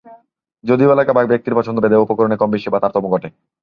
যদিও এলাকা বা ব্যক্তির পছন্দ ভেদে উপকরণের কমবেশি বা তারতম্য ঘটে।